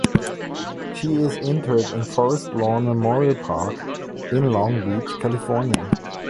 She is interred in Forest Lawn Memorial Park in Long Beach, California.